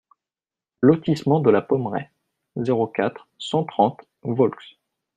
Lotissement de la Pommeraie, zéro quatre, cent trente Volx